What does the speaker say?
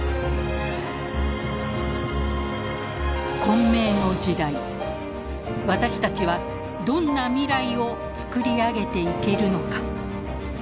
混迷の時代私たちはどんな未来を作り上げていけるのか。